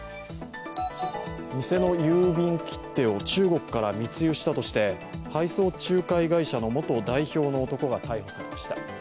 偽の郵便切手を中国から密輸したとして配送仲介会社の元代表の男が逮捕されました。